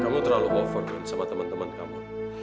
kamu terlalu over win sama teman teman kamu